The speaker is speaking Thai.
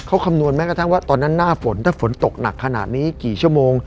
เขาคำนวณแม้กระทั่งว่าตอนนั้นหน้าฝนถ้าฝนตกหนักขนาดนี้กี่ชั่วโมง